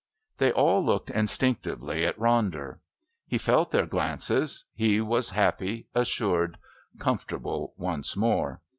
They all looked instinctively at Ronder. He felt their glances. He was happy, assured, comfortable once more.